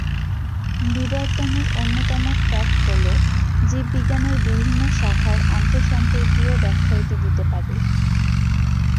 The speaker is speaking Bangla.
বিবর্তনের অন্যতম ফ্যাক্ট হলো, জীববিজ্ঞানের বিভিন্ন শাখার আন্তঃসম্পর্কীয় ব্যাখ্যা এটি দিতে পারে।